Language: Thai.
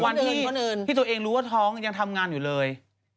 วันที่ตัวเองรู้ว่าท้องยังทำงานอยู่เลย